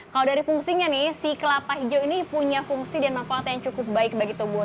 kalau dari fungsinya nih si kelapa hijau ini punya fungsi dan manfaat yang cukup baik bagi tubuh